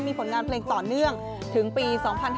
มีผลงานเพลงต่อเนื่องถึงปี๒๕๕๙